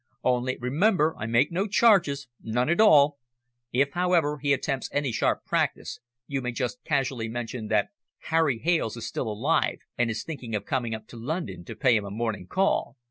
Only remember I make no charges, none at all. If, however, he attempts any sharp practice, you may just casually mention that Harry Hales is still alive, and is thinking of coming up to London to pay him a morning call.